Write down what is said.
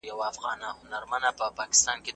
ساده ژبه د لوستونکو لپاره خورا اسانه وي.